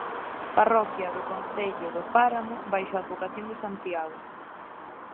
Parroquia do concello do Páramo baixo a advocación de Santiago.